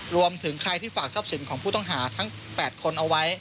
รวมถึงใครที่ฝากทรัพย์สินของผู้ต้องหาทั้ง๘คนเอาไว้